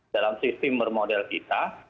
dalam sistem bermodel kita